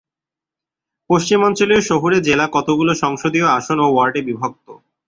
পশ্চিমাঞ্চলীয় শহুরে জেলা কতগুলো সংসদীয় আসন ও ওয়ার্ডে বিভক্ত।